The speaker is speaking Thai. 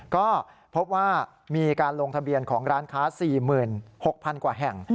ก็พบว่ามีการลงทะเบียนของร้านค้า๔๖๐๐๐กว่าแห่ง